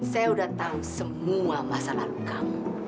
saya sudah tahu semua masa lalu kamu